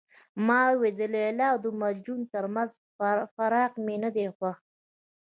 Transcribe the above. ما وویل د لیلا او مجنون ترمنځ فراق مې نه دی خوښ.